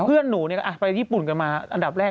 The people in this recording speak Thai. เพื่อนหนูไปญี่ปุ่นกันมาอันดับแรก